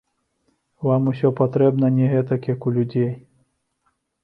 Вам усё патрэбна не гэтак, як у людзей.